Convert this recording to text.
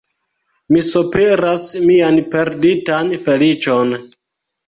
Mi sopiras mian perditan feliĉon.